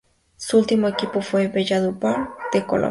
Su último equipo fue el Valledupar F. C. de Colombia.